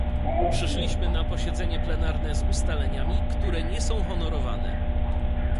Przyszliśmy na posiedzenie plenarne z ustaleniami, które nie są honorowane